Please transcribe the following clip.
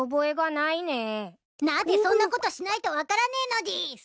なぜそんなことしないと分からねいのでぃす！